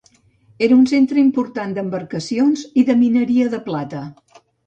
Era un centre important d'embarcacions i de mineria de plata.